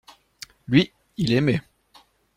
Lui, il aimait.